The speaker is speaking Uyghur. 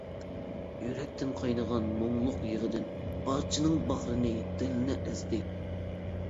يۈرەكتىن قاينىغان مۇڭلۇق يىغىدىن، بارچىنىڭ باغرىنى دىلىنى ئەزدى.